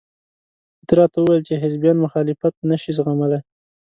ده راته وویل چې حزبیان مخالفت نشي زغملى.